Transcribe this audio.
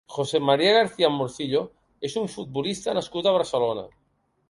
José María García Morcillo és un futbolista nascut a Barcelona.